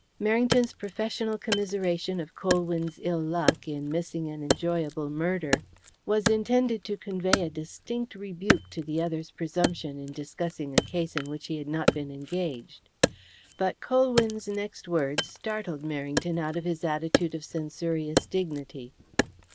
Merrington's professional commiseration of Colwyn's ill luck in missing an enjoyable murder was intended to convey a distinct rebuke to the other's presumption in discussing a case in which he had not been engaged. But Colwyn's next words startled Merrington out of his attitude of censorious dignity.